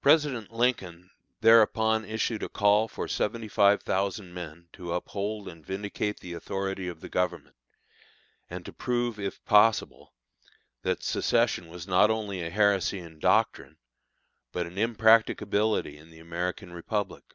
President Lincoln thereupon issued a call for seventy five thousand men to uphold and vindicate the authority of the Government, and to prove, if possible, that secession was not only a heresy in doctrine, but an impracticability in the American Republic.